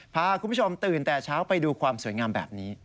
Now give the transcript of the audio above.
พาคุณผู้ชมตื่นแต่เช้าไปดูความสวยงามแบบนี้